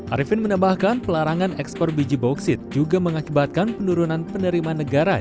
arifin menambahkan pelarangan ekspor biji bauksit juga mengakibatkan penurunan penerimaan negara